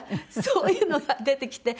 そういうのが出てきて。